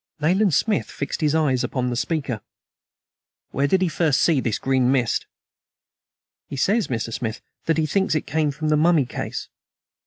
Nayland Smith fixed his eyes upon the speaker. "Where did he first see this green mist?" "He says, Mr. Smith, that he thinks it came from the mummy case."